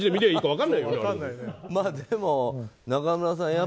でも、中村さん。